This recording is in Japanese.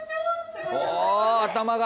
お頭が！